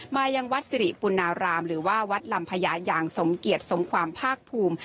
มายังวัดสิริปุณารามหรือว่าวัดลำพญาอย่างสมเกียจสมความภาคภูมิ